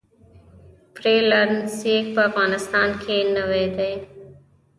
فری لانسینګ په افغانستان کې نوی دی